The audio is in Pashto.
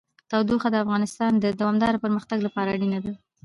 تودوخه د افغانستان د دوامداره پرمختګ لپاره اړین دي.